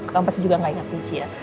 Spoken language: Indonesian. kamu pasti juga tidak ingat michi ya